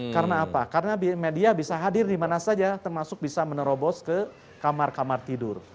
karena apa karena media bisa hadir dimana saja termasuk bisa menerobos ke kamar kamar tidur